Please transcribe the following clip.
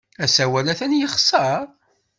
Asawal atan yexṣer.